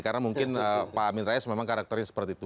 karena mungkin pak amin rais memang karakternya seperti itu